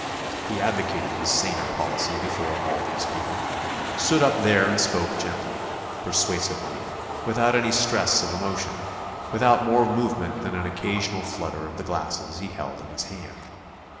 He advocated his saner policy before all those people; stood up there and spoke gently, persuasively, without any stress of emotion, without more movement than an occasional flutter of the glasses he held in his hand.